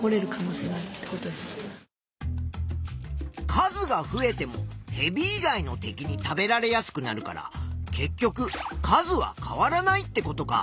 数が増えてもヘビ以外の敵に食べられやすくなるから結局数は変わらないってことか。